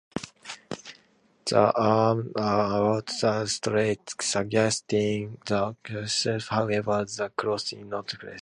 The arms are outstretched straight, suggesting the Crucifixion; however the cross is not depicted.